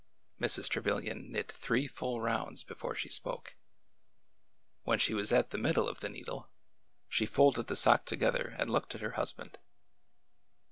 Mrs. Trevilian knit three full rounds before she spoke. When she was at the middle of the needle, she folded the sock together and looked at her husband.